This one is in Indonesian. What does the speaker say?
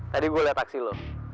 tadi gue liat taksi lu